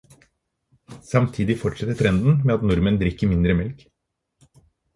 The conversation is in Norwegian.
Samtidig fortsetter trenden med at nordmenn drikker mindre melk.